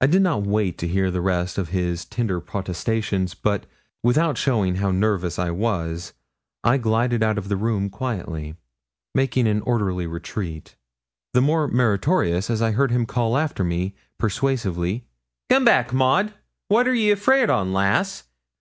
I did not wait to hear the rest of his tender protestations, but, without showing how nervous I was, I glided out of the room quietly, making an orderly retreat, the more meritorious as I heard him call after me persuasively 'Come back, Maud. What are ye afeard on, lass?